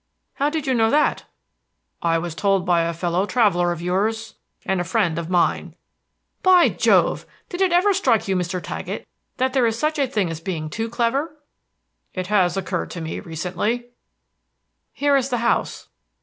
"How did you know that?" "I was told by a fellow traveler of yours, and a friend of mine." "By Jove! Did it ever strike you, Mr. Taggett, that there is such a thing as being too clever?" "It has occurred to me recently." "Here is the house."